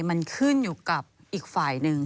มันขึ้นอยู่กับอีกฝ่ายหนึ่ง